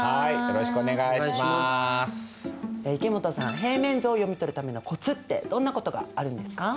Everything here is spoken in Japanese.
平面図を読み取るためのコツってどんなことがあるんですか？